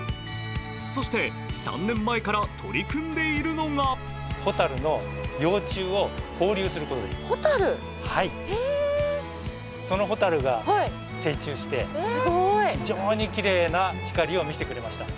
そして、３年前から取り組んでいるのがそのほたるが成虫して非常にきれいな光を見せてくれました。